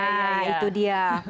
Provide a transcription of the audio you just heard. nah itu dia